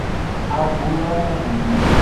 Avulo wogo.